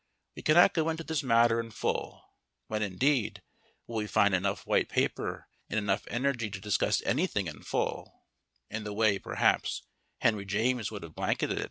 We cannot go into this matter in full (when, indeed, will we find enough white paper and enough energy to discuss anything in full, in the way, perhaps, Henry James would have blanketed it?)